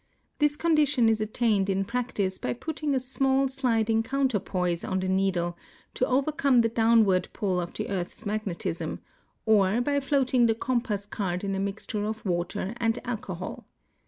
This condition is attained in practice by putting a small sliding counterpoise on the needle to overcome the downward pull of the earth's mag netism, or by floating the compass card in a mixture of water and alcohol.